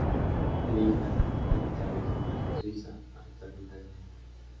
Liga Interregional de Suiza, hasta final de año.